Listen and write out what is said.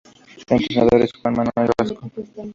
Su entrenador es Juan Manuel Rascón.